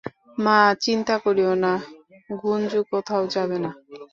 মা, চিন্তা করিও না, গুঞ্জু কোথাও যাবে না।